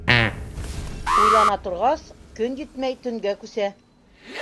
Уйлана торғас, көн етмәй, төнгә күсә.